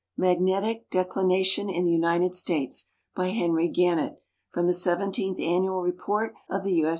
Magnetic Declination in the United States. By Henry Gannett. From the Seventeenth Annual Report of the TJ. S.